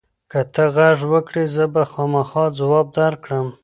که ته غږ وکړې، زه به خامخا ځواب درکړم.